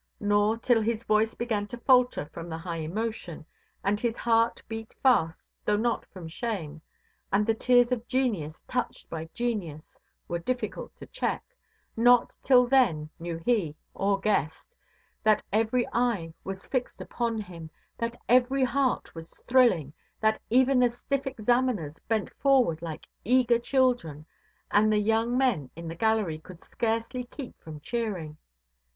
Nor till his voice began to falter from the high emotion, and his heart beat fast, though not from shame, and the tears of genius touched by genius were difficult to check, not till then knew he, or guessed, that every eye was fixed upon him, that every heart was thrilling, that even the stiff examiners bent forward like eager children, and the young men in the gallery could scarcely keep from cheering.